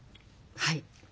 はい。